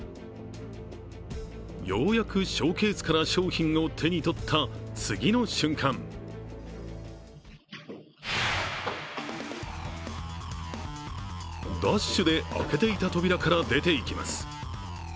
ようやくショーケースから商品を手に取った次の瞬間ダッシュで開けていた扉から出ていきます。